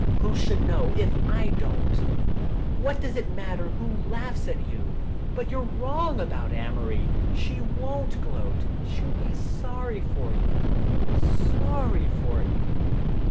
Who should know if I don't? What does it matter who laughs at you? But you're wrong about Amory. She won't gloat. She'll be sorry for you — sorry for you."